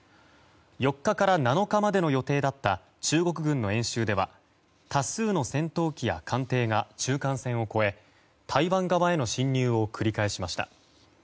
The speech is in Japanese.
４日から７日までの予定だった中国軍の演習では多数の戦闘機や艦艇が中間線を越え台湾側への侵入を繰り返しました。